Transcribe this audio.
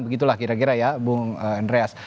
begitulah kira kira ya bung andreas